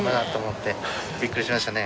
びっくりしましたね